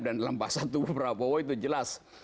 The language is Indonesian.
dan dalam bahasa tubuh prabowo itu jelas